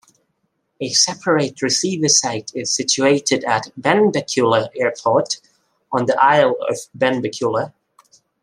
A separate receiver site is situated at Benbecula Airport, on the Isle of Benbecula.